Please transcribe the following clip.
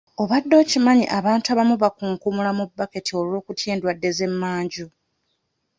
Obadde okimanyi abantu abamu bakunkumula mu baketi olw'okutya endwadde z'emmanju?